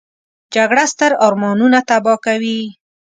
جګړه ستر ارمانونه تباه کوي